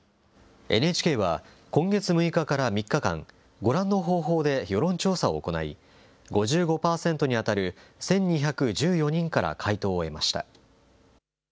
ＮＨＫは、今月６日から３日間、ご覧の方法で世論調査を行い、５５％に当たる１２１４人から回答を得ました。